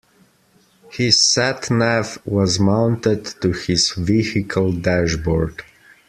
His sat nav was mounted to his vehicle dashboard